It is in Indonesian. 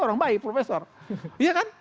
orang baik profesor iya kan